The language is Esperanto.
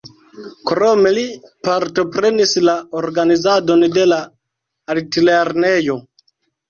Krome li partoprenis la organizadon de la altlernejo.